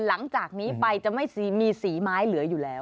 หลังจากนี้ไปจะไม่มีสีไม้เหลืออยู่แล้ว